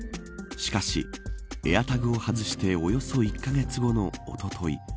しかし、エアタグを外しておよそ１カ月後のおととい。